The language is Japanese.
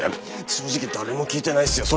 正直誰も聞いてないっすよ。